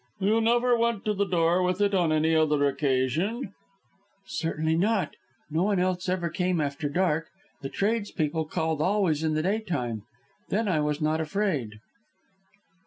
"You never went to the door with it on any other occasion?" "Certainly not. No one else ever came after dark. The tradespeople called always in the daytime. Then I was not afraid."